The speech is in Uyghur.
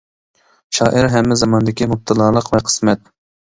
شائىر ھەممە زاماندىكى مۇپتىلالىق ۋە قىسمەت!